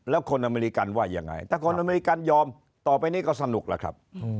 แล้วคนอเมริกันว่ายังไงถ้าคนอเมริกันยอมต่อไปนี้ก็สนุกล่ะครับ